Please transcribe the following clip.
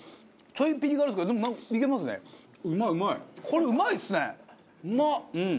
これうまいですね。